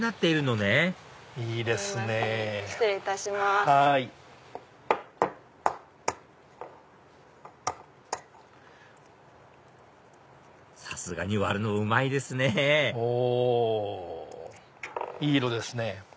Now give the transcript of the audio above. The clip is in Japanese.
いい色ですね。